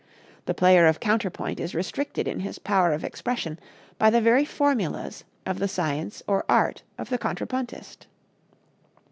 The player of counterpoint is restricted in his power of expression by the very formulas of the science or art of the contrapuntist.